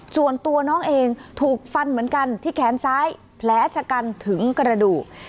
ส่วนตัวน้องเองถูกฟันเหมือนกันที่แขนซ้ายแผลชะกันถึงกระดูก